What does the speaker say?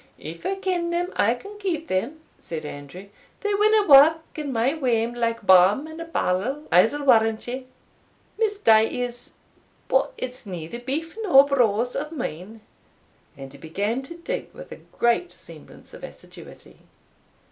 "If I ken them, I can keep them," said Andrew; "they winna work in my wame like harm in a barrel, I'se warrant ye. Miss Die is but it's neither beef nor brose o' mine." And he began to dig with a great semblance of assiduity.